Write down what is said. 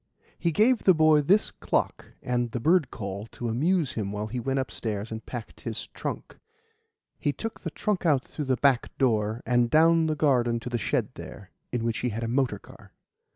He gave the boy this clock and the bird call to amuse him while he went upstairs and packed his trunk. He took the trunk out through the back door and down the garden to the shed there, in which he had a motor car.